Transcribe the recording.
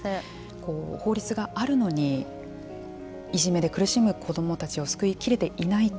法律があるのにいじめで苦しむ子どもたちを救いきれていないと。